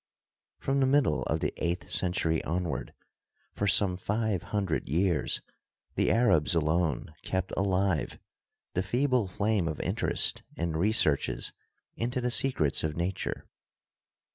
From the middle of the eighth 'century onward for some five hundred years the Arabs alone kept alive the feeble flame of interest in researches into the secrets of Nature.